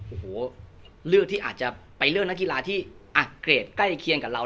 โอ้โหเลือกที่อาจจะไปเลือกนักกีฬาที่อักเกรดใกล้เคียงกับเรา